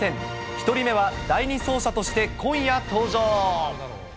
１人目は第２走者として今夜登場。